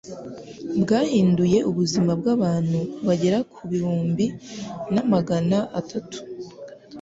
Bwahinduye ubuzima bw'abantu bagera ku gihumbi na magana atanu,